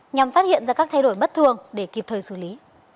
nhằm phát hiện ra các thay đổi bất thường để kịp thời xử lý